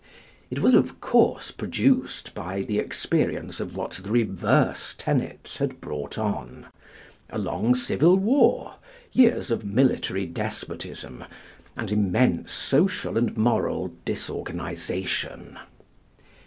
It was of course produced by the experience of what the reverse tenets had brought on, a long civil war, years of military despotism, and immense social and moral disorganization.